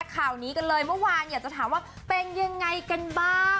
ข่าวนี้กันเลยเมื่อวานอยากจะถามว่าเป็นยังไงกันบ้าง